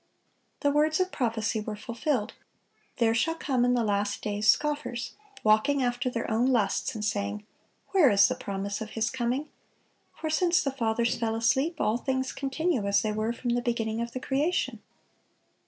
The words of prophecy were fulfilled: "There shall come in the last days scoffers, walking after their own lusts, and saying, 'Where is the promise of His coming?' for since the fathers fell asleep, all things continue as they were from the beginning of the creation."